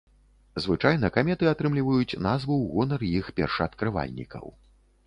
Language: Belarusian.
Звычайна каметы атрымліваюць назву ў гонар іх першаадкрывальнікаў.